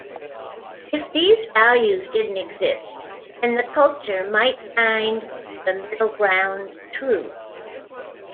If these values didn't exist then the culture might find the middle ground true.